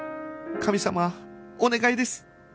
神様お願いです！